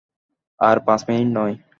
আর পাঁচ মিনিট নয়।